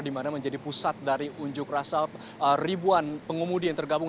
di mana menjadi pusat dari unjuk rasa ribuan pengemudi yang tergabung